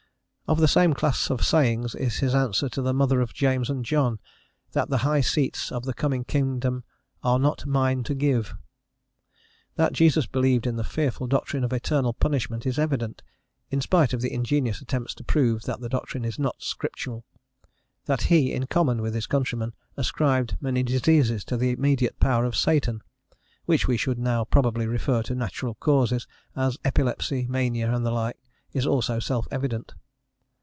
Of the same class of sayings is his answer to the mother of James and John, that the high seats of the coming kingdom "are not mine to give." That Jesus believed in the fearful doctrine of eternal punishment is evident, in spite of the ingenious attempts to prove that the doctrine is not scriptural: that he, in common with his countrymen, ascribed many diseases to the immediate power of Satan, which we should now probably refer to natural causes, as epilepsy, mania, and the like, is also self evident.